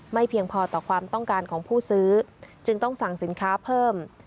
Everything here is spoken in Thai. เพียงพอต่อความต้องการของผู้ซื้อจึงต้องสั่งสินค้าเพิ่ม